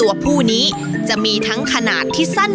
สะพานหินเกิดถึงจากธรรมชาติ